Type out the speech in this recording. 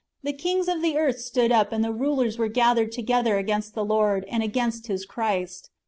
The kings of the earth stood up, and the rulers w'ere gathered together against the Lord, and against His Christ.